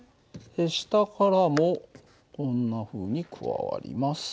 下からもこんなふうに加わります。